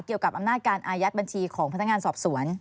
เกี่ยวกับอำนาจการอายัดบัญชีของพนักงานสอบสวน